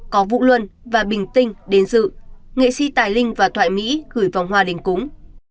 có vũ luân và bình tinh đến dự nghệ sĩ tài linh và thoại mỹ gửi vòng hoa đình cúng